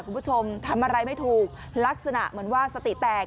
คุณผู้ชมทำอะไรไม่ถูกลักษณะเหมือนว่าสติแตก